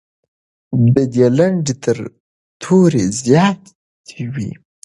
د دې لنډۍ تر تورې زیاتې وې.